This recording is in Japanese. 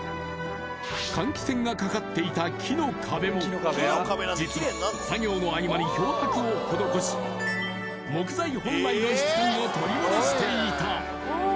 換気扇がかかっていた木の壁も実は作業の合間に漂白を施し木材本来の質感を取り戻していた。